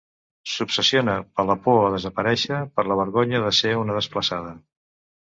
S'obsessiona per la por a desaparèixer, per la vergonya de ser una desplaçada.